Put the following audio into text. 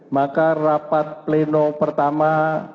maka rapat pleno pertama